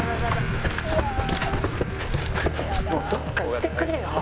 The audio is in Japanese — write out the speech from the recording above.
もうどっか行ってくれよ！